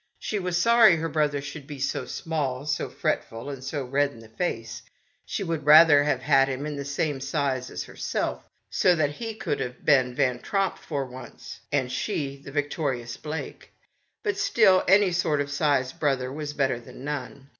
She was sorry her brother should be so small, so fretful, and so red in the face ; she would rather have had him the same size as herself, so that he could have been Van Tromp for once, and she the victorious Blake ; but still, any sort or size of brother was better than A CHILD. 21 none.